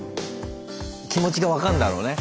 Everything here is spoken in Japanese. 気持ちが分かんだろうね。